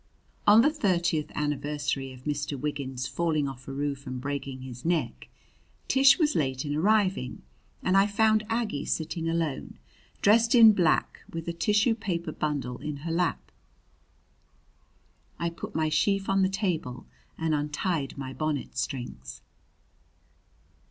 On the thirtieth anniversary of Mr. Wiggins's falling off a roof and breaking his neck, Tish was late in arriving, and I found Aggie sitting alone, dressed in black, with a tissue paper bundle in her lap. I put my sheaf on the table and untied my bonnet strings.